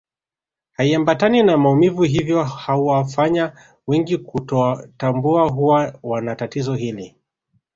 Haiambatani na maumivu hivyo huwafanya wengi kutotambua kuwa wana tatizo hili